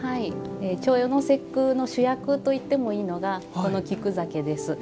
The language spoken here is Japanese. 重陽の節句の主役といってもいいのがこの菊酒です。